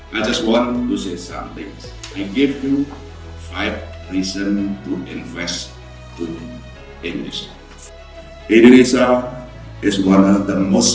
saya ingin memberikan anda lima alasan untuk berinvestasi di indonesia